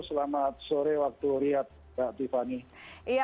selamat sore waktu riyad mbak tiffany